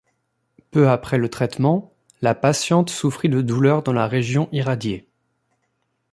Peu après le traitement, la patiente souffrit de douleurs dans la région irradiée.